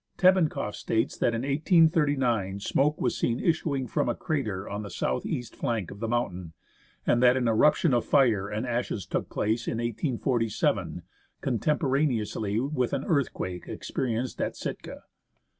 Tebenkoff states that in 1839 smoke was seen issuing from a crater on the south east flank of the mountain, and that an eruption of fire and ashes took place in 1847, contemporaneously with an earthquake experienced at Sitka.